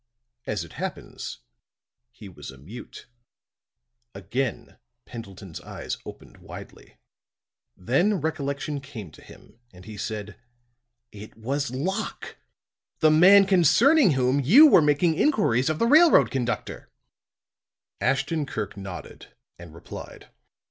As it happens, he was a mute." Again Pendleton's eyes opened widely; then recollection came to him and he said: "It was Locke the man concerning whom you were making inquiries of the railroad conductor!" Ashton Kirk nodded, and replied.